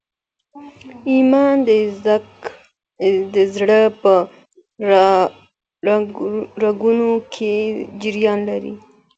ایمان د زړه په رګونو کي جریان لري.